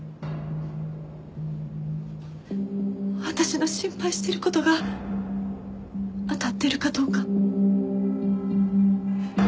私の心配してる事が当たってるかどうか。